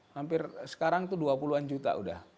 hampir sekarang itu dua puluh an juta udah